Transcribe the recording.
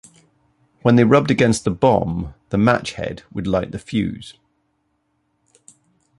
When they rubbed against the bomb, the match head would light the fuse.